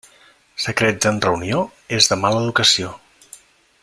Secrets en reunió, és de mala educació.